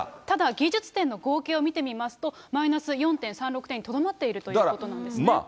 ただ技術点の合計を見てみますと、マイナス４．３６点にとどまっているということなんですね。